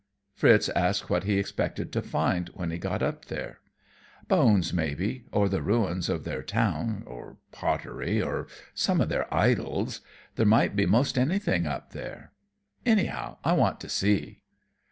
Fritz asked what he expected to find when he got up there. "Bones, maybe, or the ruins of their town, or pottery, or some of their idols. There might be 'most anything up there. Anyhow, I want to see."